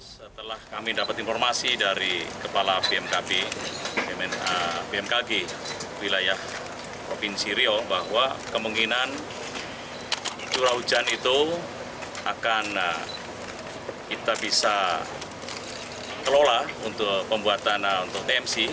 setelah kami dapat informasi dari kepala bmkg wilayah provinsi riau bahwa kemungkinan curah hujan itu akan kita bisa kelola untuk pembuatan untuk tmc